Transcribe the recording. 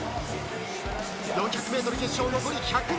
４００ｍ決勝、残り１００ｍ。